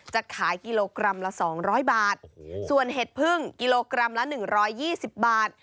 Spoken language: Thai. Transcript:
จะขายกิโลกรัมละสองร้อยบาทโอ้โหส่วนเห็ดเพิ่งกิโลกรัมละหนึ่งร้อยยี่สิบบาท